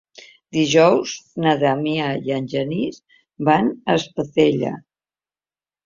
Dijous na Damià i en Genís van a Espadella.